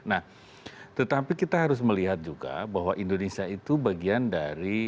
nah tetapi kita harus melihat juga bahwa indonesia itu bagian dari